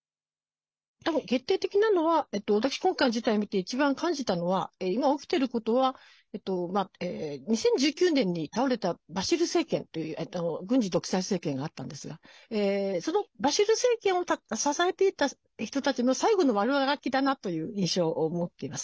多分、決定的なのは私、今回の事態を見て一番感じたのは今、起きていることは２０１９年に倒れたバシール政権という軍事独裁政権があったんですがそのバシール政権を支えてきた人たちの最後の悪あがきだなという印象を持っています。